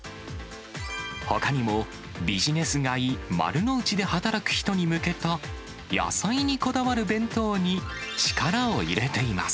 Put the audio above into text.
ほかにもビジネス街、丸の内で働く人に向けた、野菜にこだわる弁当に力を入れています。